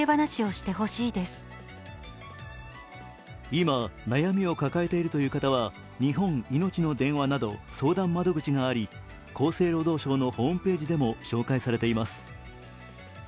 今、悩みを抱えているという方は日本いのちの電話など相談窓口があり厚生労働省のホームページでも紹介されています。